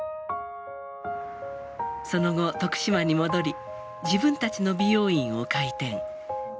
その後徳島に戻り自分たちの美容院を開店。